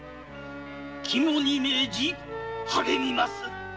肝に命じ励みまする。